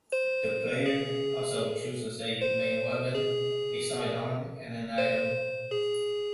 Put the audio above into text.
The player also chooses a main weapon, a side arm, and an item.